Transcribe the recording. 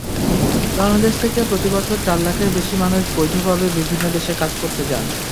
বাংলাদেশ থেকে প্রতিবছর চার লাখের বেশি মানুষ বৈধভাবে বিভিন্ন দেশে কাজ করতে যান।